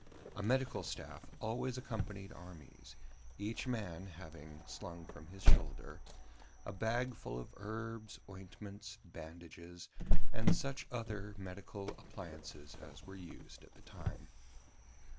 A medical staff always accompanied armies, each man having, slung from his shoulder, a bag full of herbs, ointments, bandages, and such other medical appliances as were used at the time.